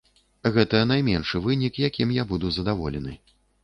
Гэта найменшы вынік, якім я буду задаволены.